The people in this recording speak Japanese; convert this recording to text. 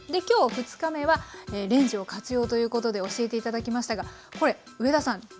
今日２日目はレンジを活用ということで教えて頂きましたがこれ上田さん